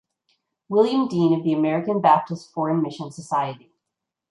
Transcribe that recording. William Dean of the American Baptist Foreign Mission Society.